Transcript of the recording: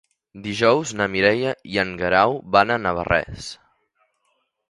Dijous na Mireia i en Guerau van a Navarrés.